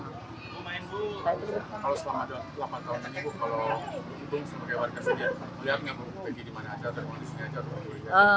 kalau selama delapan tahun ini ibu sebagai warga sendiri melihat peggy di mana saja